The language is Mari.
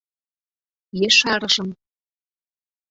Ешарышым.